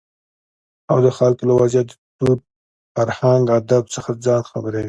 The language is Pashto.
او دخلکو له وضعيت، دود، فرهنګ اداب څخه ځان خبروي.